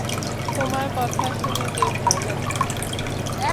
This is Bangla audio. তোমার কথা শুনে যে ভয় লাগে।